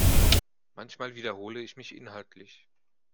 Manchmal wiederhole ich mich inhaltlich.